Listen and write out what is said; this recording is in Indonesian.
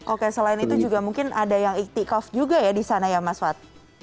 oke selain itu juga mungkin ada yang iktikof juga ya di sana ya mas wad